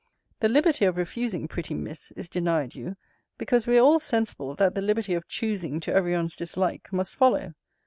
The liberty of refusing, pretty Miss, is denied you, because we are all sensible, that the liberty of choosing, to every one's dislike, must follow.